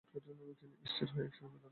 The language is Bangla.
তিনি স্থির হয়ে এক সেকেন্ডও দাঁড়াচ্ছেন না।